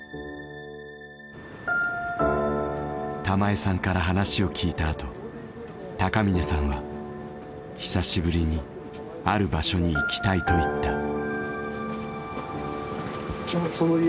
玉枝さんから話を聞いた後高峰さんは「久しぶりにある場所に行きたい」と言った。